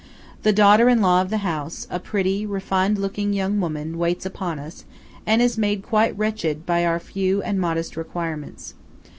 The daughter in law of the house, a pretty, refined looking young woman, waits upon us, and is made quite wretched by our few and modest requirements.